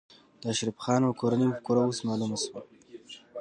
د اشرف خان او کورنۍ مفکوره اوس معلومه شوه